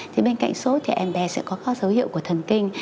thì bên cạnh sốt thì em bé sẽ có các dấu hiệu của thần kinh